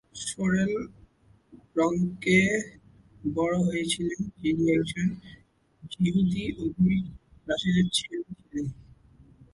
Sorrel ব্রনক্সে বড় হয়েছিলেন, যিনি একজন যিহুদি অভিবাসীর ছেলে ছিলেন।